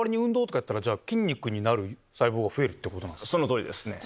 その通りですね。